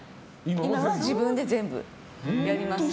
今は自分で全部やりますよ。